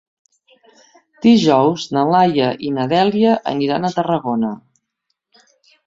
Dijous na Laia i na Dèlia aniran a Tarragona.